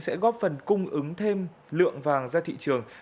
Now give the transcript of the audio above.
sẽ góp phần cung ứng thêm lượng vàng ra thị trường